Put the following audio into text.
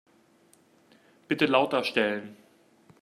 Bitte lauter stellen.